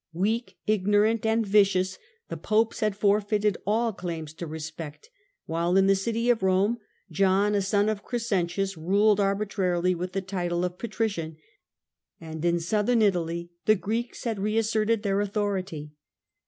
Weak, ignorant, and vicious, the Popes had forfeited all claims to respect, while in the city of Kome, John, a son of Crescentius, ruled arbitrarily with the title of Patrician, and in Southern Italy the Greeks had reasserted their authority.